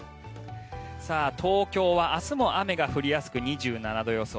東京は明日も雨が降りやすく２７度予想。